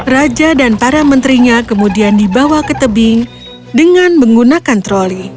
raja dan para menterinya kemudian dibawa ke tebing dengan menggunakan troli